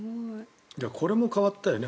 これも変わったよね。